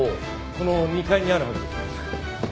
この２階にあるはずです。